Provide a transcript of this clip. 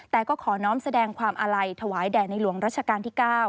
แต่ก็ขอน้อมแสดงความอาลัยถวายแด่ในหลวงรัชกาลที่๙